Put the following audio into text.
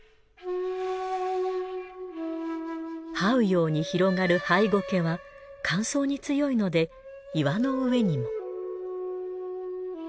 這うように広がるハイゴケは乾燥に強いので岩の上にも。